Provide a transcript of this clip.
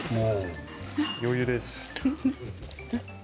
余裕です。